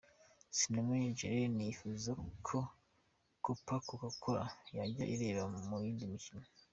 Sinamenye Jeremie yifuza ko Copa Coca Cola yajya ireba no mu yindi mikino.